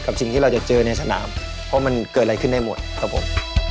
สิ่งที่เราจะเจอในสนามเพราะมันเกิดอะไรขึ้นได้หมดครับผม